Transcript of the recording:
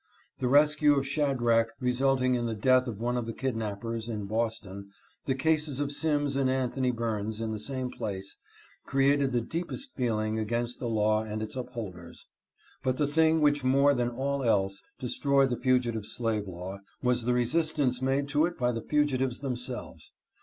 The rescue of Shadrack resulting in the death of one of the kidnappers, in Boston, the cases of Simms and Anthony AN EFFECTUAL CHECK. 349 Burns, in the same place, created the deepest feeling against the law and its upholders. But the thing which more than all else destroyed the fugitive slave law was the resistance made to it by the fugitives themselves.